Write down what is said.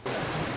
với sự tham gia